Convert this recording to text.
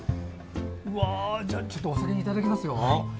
じゃあ、ちょっとお先にいただきますよ。